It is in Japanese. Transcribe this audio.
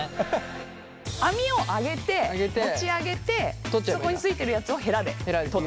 網を上げて持ち上げてそこに付いてるやつをへらで取ってしまう。